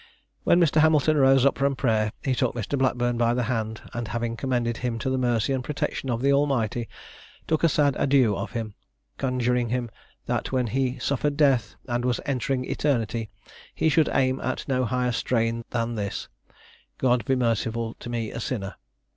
When Mr. Hamilton rose up from prayer, he took Mr. Blackburn by the hand, and having commended him to the mercy and protection of the Almighty, took a sad adieu of him, conjuring him that when he suffered death, and was entering eternity, he should aim at no higher strain than this, "God be merciful to me a sinner."